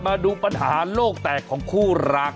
มาดูปัญหาโลกแตกของคู่รัก